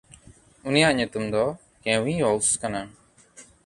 ᱩᱱᱤᱭᱟᱜ ᱧᱩᱛᱩᱢ ᱫᱚ ᱠᱮᱶᱤᱭᱚᱣᱥ ᱠᱟᱱᱟ᱾